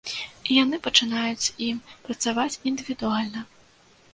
І яны пачынаюць з ім працаваць індывідуальна.